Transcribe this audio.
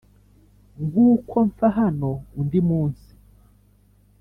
nkuko mpfa hano undi munsi